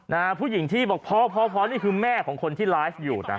นะฮะผู้หญิงที่บอกพ่อพอนี่คือแม่ของคนที่ไลฟ์อยู่นะ